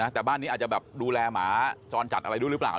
แต่บ้านนี้อาจจะแบบดูแลหมาจรจัดอะไรด้วยหรือเปล่า